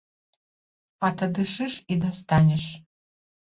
А тады шыш і дастанеш.